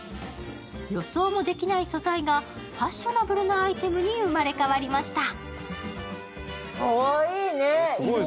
予想もできない素材がファッショナブルなアイテムに生まれ変わりました。